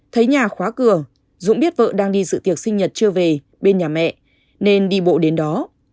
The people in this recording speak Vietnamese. thấy nhà khóa cửa dũng biết vợ đang đi dự tiệc sinh nhật chưa về bên nhà mẹ nên đi bộ đến đó